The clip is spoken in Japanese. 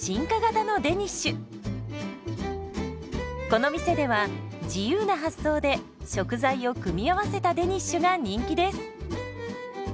この店では自由な発想で食材を組み合わせたデニッシュが人気です。